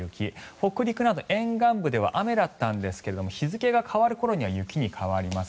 北陸など沿岸部では雨だったんですが日付が変わる頃には雪に変わります。